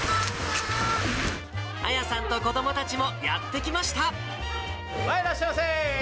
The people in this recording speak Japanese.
亜矢さんと子どもたちもやって来ました。